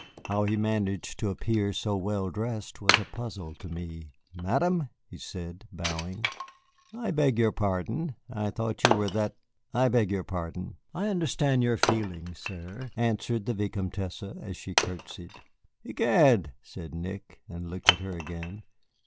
How he managed to appear so well dressed was a puzzle to me. "Madame," he said, bowing, "I beg your pardon. I thought you were that I beg your pardon." "I understand your feelings, sir," answered the Vicomtesse as she courtesied. "Egad," said Nick, and looked at her again.